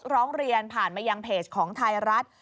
ร้องเรียนผ่านมายังเพจของไทยรัฐ